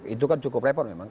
itu kan cukup repot memang